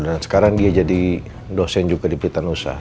dan sekarang dia jadi dosen juga di blitanusa